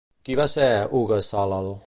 Qui va ser Hugues Salel?